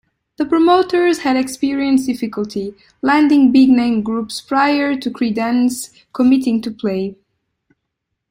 The promoters had experienced difficulty landing big-name groups prior to Creedence committing to play.